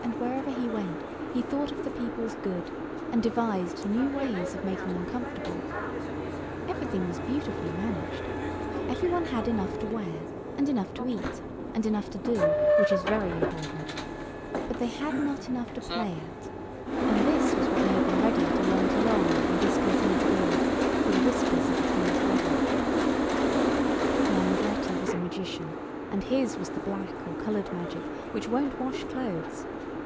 And wherever he went he thought of the people's good, and devised new ways of making them comfortable. Everything was beautifully managed. Every one had enough to wear and enough to eat, and enough to do, which is very important; but they had not enough to play at, and this was what made them ready to lend long and discontented ears to the whispers of the King's brother. [Illustration: "WELCOME! WELCOME!"] Now Negretti was a Magician, and his was the black or coloured magic which won't wash clothes.